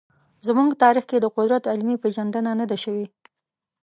زموږ تاریخ کې د قدرت علمي پېژندنه نه ده شوې.